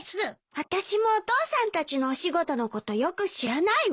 私もお父さんたちのお仕事のことよく知らないわ。